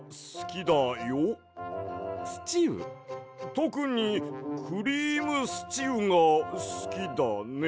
とくにクリームスチウがすきだね。